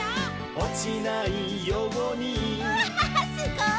「おちないように」うわすごい！